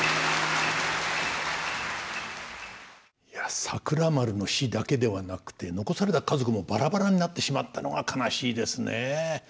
いや桜丸の死だけではなくて残された家族もばらばらになってしまったのが悲しいですね。